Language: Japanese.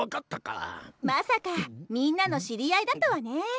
まさかみんなの知り合いだとはね。